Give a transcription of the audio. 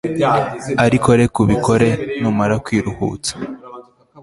ariko reka ubikore, numara kwiruhutsa